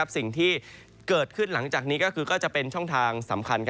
สิ่งที่เกิดขึ้นหลังจากนี้ก็คือก็จะเป็นช่องทางสำคัญ